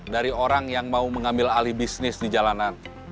dari orang yang mau mengambil alih bisnis di jalanan